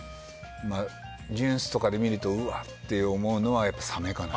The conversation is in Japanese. ニュースとかで見るとうわって思うのは、サメかな。